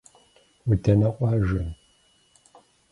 Удэнэ къуажэ?